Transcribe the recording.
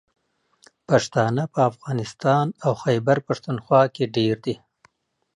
پښتانه په افغانستان او خیبر پښتونخوا کې ډېر دي.